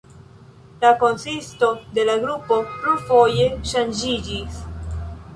La konsisto de la grupo plurfoje ŝanĝiĝis.